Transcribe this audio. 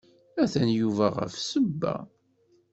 Atan Yuba ɣef ssebba.